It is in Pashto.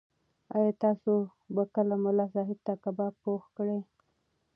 ایا تاسو به کله ملا صاحب ته کباب پوخ کړئ؟